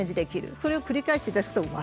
それを繰り返していただくと。